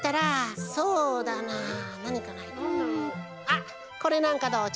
あっこれなんかどう？